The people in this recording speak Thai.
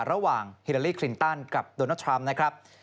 ฮิลาลีคลินตันกับโดนัลดทรัมป์นะครับ